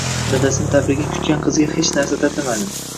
Dadasining tabrigini kutgan qizga hech narsa tatimadi